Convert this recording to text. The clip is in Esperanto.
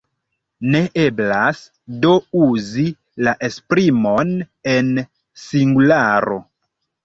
Ne eblas do uzi la esprimon en singularo.